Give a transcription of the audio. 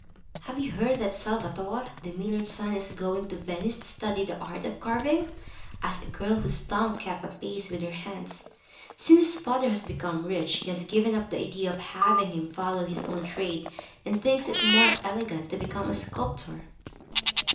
Have you heard that Salvator, the miller's son, is going to Venice to study the art of carving?" asked a girl whose tongue kept pace with her hands. Since his father has become rich, he has given up the idea of having him follow his own trade, and thinks it more elegant to become a sculptor."